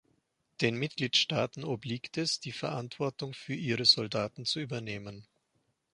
Den Mitgliedstaaten obliegt es, die Verantwortung für ihre Soldaten zu übernehmen.